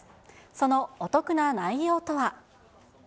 そのお得な内容とは。